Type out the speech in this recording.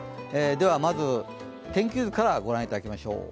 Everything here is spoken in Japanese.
まず天気図から御覧いただきましょう。